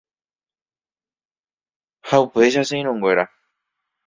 Ha upéicha che irũnguéra.